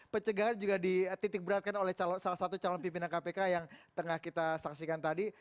pencegahan juga dititik beratkan oleh salah satu calon pimpinan kpk yang tengah kita saksikan tadi